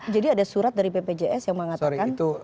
jadi ada surat dari ppjs yang mengatakan